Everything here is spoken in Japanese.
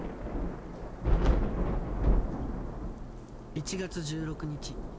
「１月１６日。